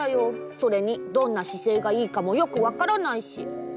それにどんなしせいがいいかもよくわからないし。